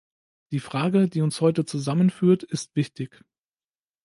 Die Frage, die uns heute zusammenführt, ist wichtig.